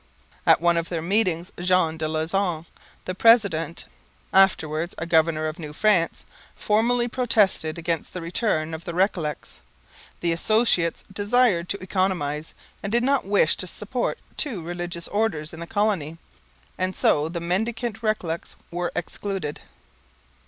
At one of their meetings Jean de Lauzon, the president, afterwards a governor of New France, formally protested against the return of the Recollets. The Associates desired to economize, and did not wish to support two religious orders in the colony; and so the mendicant Recollets were excluded.